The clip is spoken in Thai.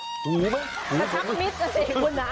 กระชับมิตรนะสิคุณนะ